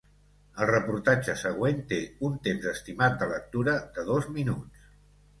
El reportatge següent té un temps estimat de lectura de dos minuts.